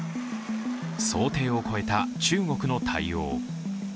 想定を超えた中国の対応。